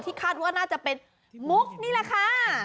คาดว่าน่าจะเป็นมุกนี่แหละค่ะ